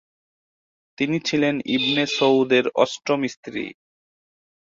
তিনি ছিলেন ইবনে সৌদের অষ্টম স্ত্রী।